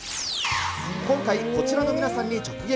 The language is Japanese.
今回、こちらの皆さんに直撃。